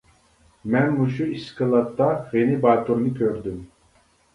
مەن مۇشۇ ئىسكىلاتتا غېنى باتۇرنى كۆردۈم.